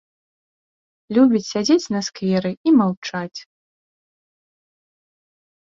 Любіць сядзець на скверы і маўчаць.